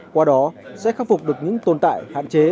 qua đó sẽ khắc phục được những tồn tại hạn chế